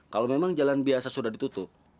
kalau memang jalan biasa sudah ditutup